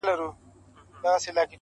د حلال او د حرام سوچونه مکړه,